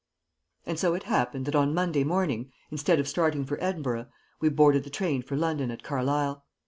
And so it happened that on Monday morning, instead of starting for Edinburgh, we boarded the train for London at Car lisle.